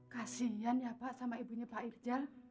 kasian ya pak sama ibunya pak irjen